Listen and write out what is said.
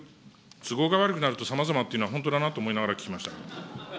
都合が悪くなるとさまざまって言うのは本当だなと思いながら聞きました。